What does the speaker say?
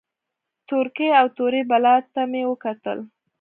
تورکي او تورې بلا ته مې وکتل.